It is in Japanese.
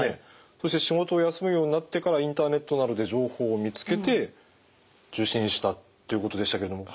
そして仕事を休むようになってからインターネットなどで情報を見つけて受診したっていうことでしたけれどもこういった例はあるんでしょうか？